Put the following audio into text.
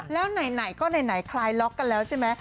แล้วไหนก็ไหนคลายล็อกกันแล้วใช่ไหม